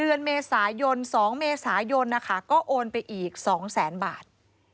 เดือนเมษายน๒เมษายนก็โอนไปอีก๒๐๐๐๐๐บาท